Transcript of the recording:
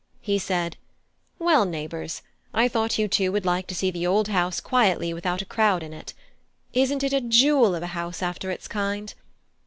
He said: "Well, neighbours, I thought you two would like to see the old house quietly without a crowd in it. Isn't it a jewel of a house after its kind?